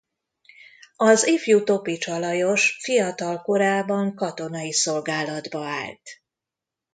Az ifjú Topits Alajos fiatal korában katonai szolgálatba állt.